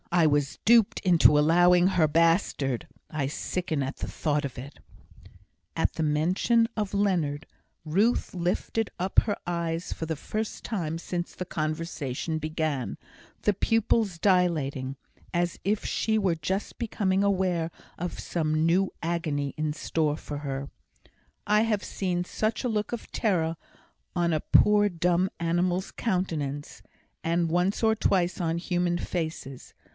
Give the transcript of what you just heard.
I was duped into allowing her bastard (I sicken at the thought of it) " At the mention of Leonard, Ruth lifted up her eyes for the first time since the conversation began, the pupils dilating, as if she were just becoming aware of some new agony in store for her. I have seen such a look of terror on a poor dumb animal's countenance, and once or twice on human faces.